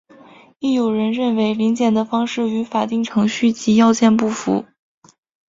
亦有人认为临检的方式与法定程序及要件不符。